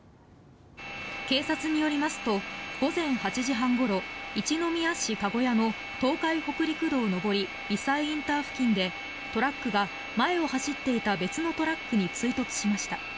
警察によりますと午前８時半ごろ一宮市篭屋の東海北陸道上り尾西ＩＣ付近でトラックが前を走っていた別のトラックに追突しました。